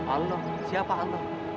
allah siapa allah